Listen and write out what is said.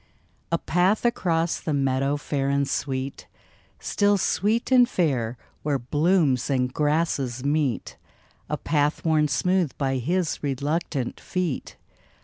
A path across the meadow fair and sweet, Still sweet and fair where blooms and grasses meet A path worn smooth by his reluctant feet.